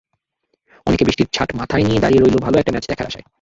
অনেকে বৃষ্টির ছাঁট মাথায় নিয়ে দাঁড়িয়ে রইল ভালো একটা ম্যাচ দেখার আশায়।